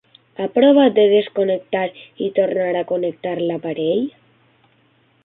Ha provat de desconnectar i tornar a connectar l'aparell?